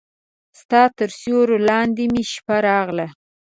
ستا تر سیوري لاندې مې شپه راغله